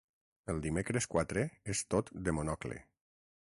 El dimecres quatre és tot de Monocle.